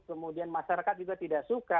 kemudian masyarakat juga tidak suka